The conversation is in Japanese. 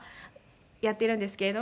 やっているんですけれども。